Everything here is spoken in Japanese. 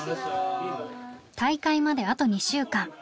大会まであと２週間。